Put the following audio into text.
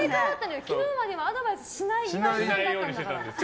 昨日まではアドバイスしなかったんだから。